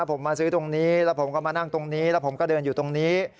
ผมมาซื้อตรงนี้แล้วผมก็มานั่งตรงนี้แล้วผมก็เดินอยู่ตรงนี้